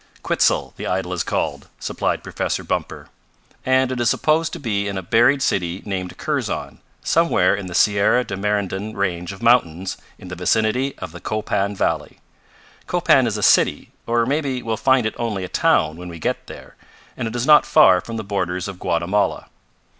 "Quitzel the idol is called," supplied Professor Bumper. "And it is supposed to be in a buried city named Kurzon, somewhere in the Sierra de Merendon range of mountains, in the vicinity of the Copan valley. Copan is a city, or maybe we'll find it only a town when we get there, and it is not far from the borders of Guatemala.